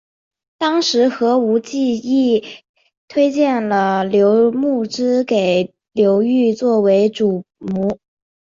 当时何无忌亦推荐了刘穆之给刘裕作为主簿。